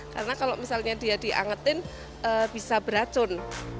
karena kalau misalnya dia diangetin bisa beracun